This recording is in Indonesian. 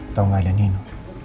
atau gak ada nino